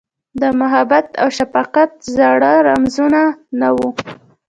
د محبت اوشفقت زاړه رمزونه، نه وه